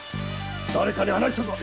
誰かに話したか？